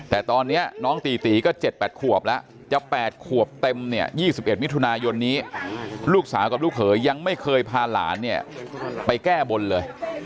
แต่ตอนนี้น้องตีตีก็๗๘ขวบแล้วจะ๘ขวบเต็มเนี่ย๒๑มิถุนายนนี้ลูกสาวกับลูกเขยยังไม่เคยพาหลานเนี่ยไปแก้บนเลย